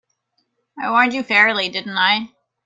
I warned you fairly, didn't I?